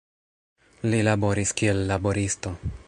Li laboris kiel laboristo.